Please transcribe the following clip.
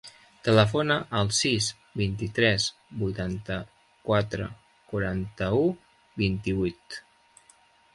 Telefona al sis, vint-i-tres, vuitanta-quatre, quaranta-u, vint-i-vuit.